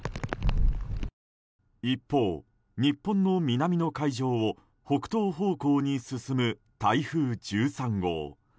一方、日本の南の海上を北東方向に進む台風１３号。